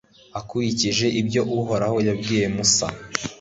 akurikije ibyo uhoraho yabwiye musa